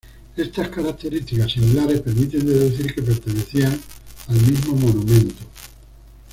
Estas características similares permiten deducir que pertenecían al mismo monumento.